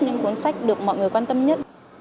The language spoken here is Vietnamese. những cuốn sách được mọi người quan tâm nhất